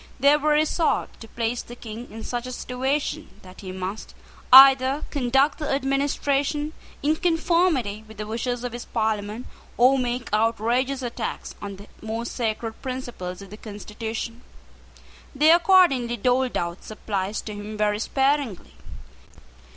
They were resolved to place the King in such a situation that he must either conduct the administration in conformity with the wishes of his Parliament, or make outrageous attacks on the most sacred principles of the constitution. They accordingly doled out supplies to him very sparingly.